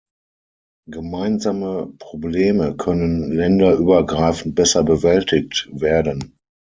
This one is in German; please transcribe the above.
Gemeinsame Probleme können länderübergreifend besser bewältigt werden.